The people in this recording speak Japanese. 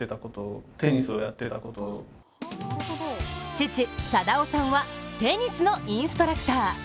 父・貞央さんはテニスのインストラクター。